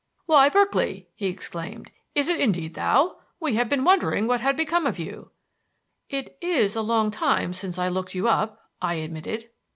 "Why, Berkeley!" he exclaimed, "is it indeed thou? We have been wondering what had become of you." "It is a long time since I looked you up," I admitted.